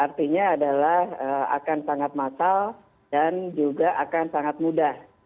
artinya adalah akan sangat massal dan juga akan sangat mudah